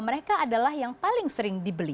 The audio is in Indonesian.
mereka adalah yang paling sering dibeli